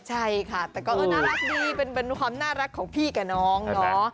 ใช่ค่ะแต่ก็เออน่ารักดีเป็นความน่ารักของพี่กับน้องเนาะ